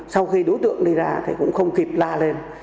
sau khi đối tượng đi ra thì cũng không kịp la lên